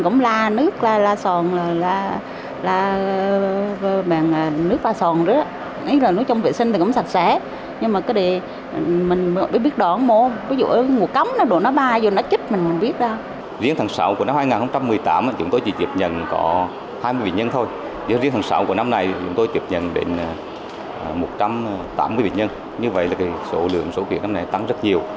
công suất sử dụng dường bệnh luôn vượt mức một trăm tám mươi bệnh nhân như vậy là số lượng sốt xuất huyết năm nay tăng rất nhiều